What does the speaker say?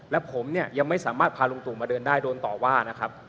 และผมเนี่ยยังไม่สามารถพาลุงตู่มาเดินได้โดนต่อว่านะครับ